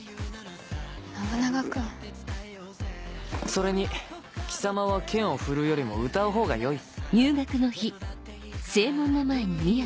それに貴様は剣を振るうよりも歌うほうがよい。